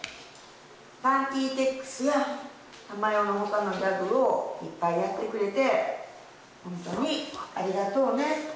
パーティーテックスや珠代のほかのギャグをいっぱいやってくれて、本当にありがとうね。